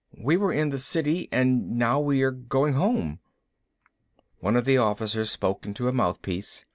"We were in the City, and now we are going home." One of the soldiers spoke into a mouthpiece.